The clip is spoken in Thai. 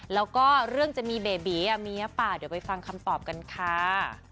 แล้วก็เรื่องจะมีเบบีมีหรือเปล่าเดี๋ยวไปฟังคำตอบกันค่ะ